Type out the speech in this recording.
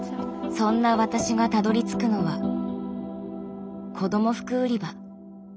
そんな私がたどりつくのは子ども服売り場。